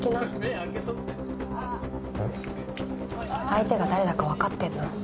相手が誰だかわかってんの？